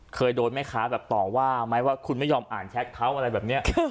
เคยโดนแม่ค้าแบบต่อว่าไหมว่าคุณไม่ยอมอ่านแชทเขาอะไรแบบนี้